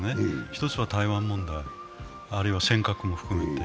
一つは台湾問題、あるいは尖閣も含めて。